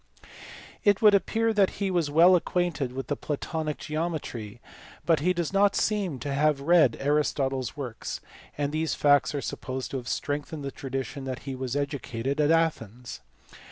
It would appear that he was well acquainted with the Platonic geometry, but he does not seem to have read Aristotle s works ; and these facts are supposed to strengthen the tradition that he was educated at Athens.